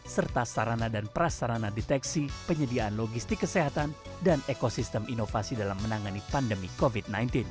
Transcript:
serta sarana dan prasarana deteksi penyediaan logistik kesehatan dan ekosistem inovasi dalam menangani pandemi covid sembilan belas